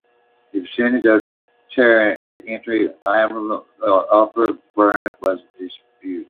The pertinence of this territory to either Alamannia or Upper Burgundy was disputed.